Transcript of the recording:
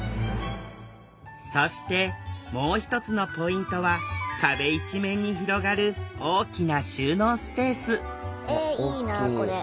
そしてもう一つのポイントは壁一面に広がる大きな収納スペースえいいなこれ。